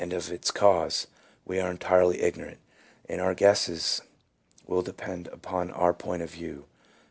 313 of its cause, we are entirely ignorant, and our guesses will depend upon our point of view.